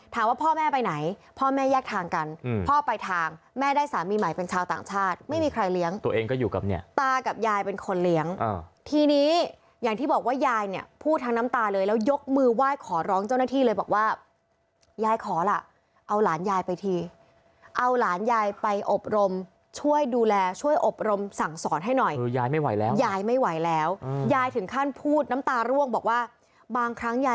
ถามว่าพ่อแม่ไปไหนพ่อแม่แยกทางกันพ่อไปทางแม่ได้สามีใหม่เป็นชาวต่างชาติไม่มีใครเลี้ยงตัวเองก็อยู่กับเนี่ยตากับยายเป็นคนเลี้ยงทีนี้อย่างที่บอกว่ายายเนี่ยพูดทั้งน้ำตาเลยแล้วยกมือไหว้ขอร้องเจ้าหน้าที่เลยบอกว่ายายขอล่ะเอาหลานยายไปทีเอาหลานยายไปอบรมช่วยดูแลช่วยอบรมสั่งสอนให้หน่อยหรือยายไม่ไ